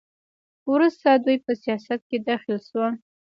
وروسته دوی په سیاست کې دخیل شول.